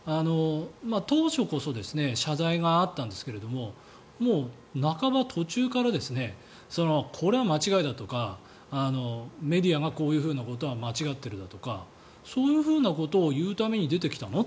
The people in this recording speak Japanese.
当初こそ謝罪があったんですがもう半ば、途中からこれは間違いだとかメディアが、こういうことは間違っているだとかそういうふうなことを言うために出てきたの？